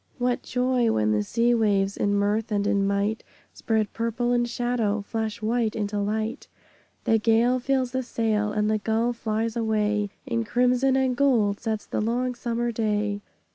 What joy, when the Sea waves, In mirth and in might, Spread purple in shadow, Flash white into light! The gale fills the sail, And the gull flies away; In crimson and gold Sets the long Summer Day.